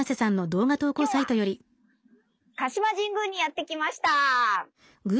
今日は鹿島神宮にやって来ました。